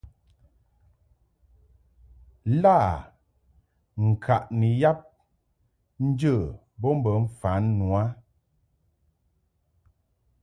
Lâ ŋkaʼni yab njə bo bə mfan nu a.